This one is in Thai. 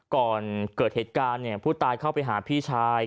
ก่อนเกิดเหตุการณ์เนี่ยผู้ตายเข้าไปหาพี่ชาย